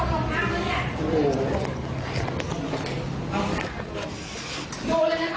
ดูเลยนะคะเข้าข่ายนั่น